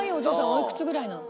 おいくつぐらいなの？